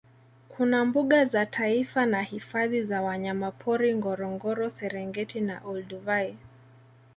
Kuna mbuga za taifa na hifadhi za wanyamapori Ngorongoro Serengeti na Olduvai